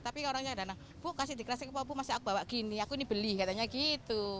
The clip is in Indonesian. tapi orangnya bu kasih di kresek bu masih aku bawa gini aku ini beli katanya gitu